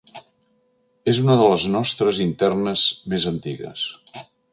És una de les nostres internes més antigues.